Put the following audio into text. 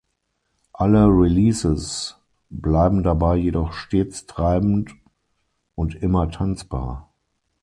Alle Releases bleiben dabei jedoch stets treibend und immer tanzbar.